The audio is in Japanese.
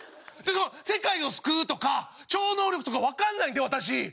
世界を救うとか超能力とかわかんないんで私。